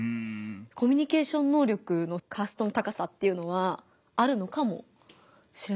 コミュニケーション能力のカーストの高さっていうのはあるのかもしれないですね。